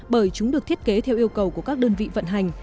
bởi chúng được thiết kế theo yêu cầu của các đơn vị vận hành